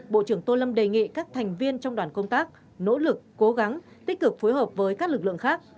bộ trưởng tô lâm đề nghị các thành viên trong đoàn công tác nỗ lực cố gắng tích cực phối hợp với các lực lượng khác